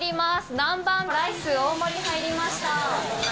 南蛮ライス、大盛入りました。